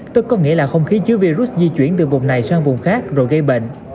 tức có nghĩa là không khí chứa virus di chuyển từ vùng này sang vùng khác rồi gây bệnh